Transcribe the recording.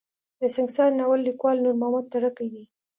د سنګسار ناول ليکوال نور محمد تره کی دی.